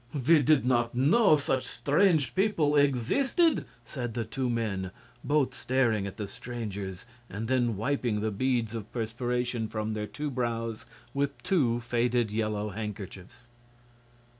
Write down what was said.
"We did not know such strange people existed!" said the two men, both staring at the strangers and then wiping the beads of perspiration from their two brows with two faded yellow handkerchiefs.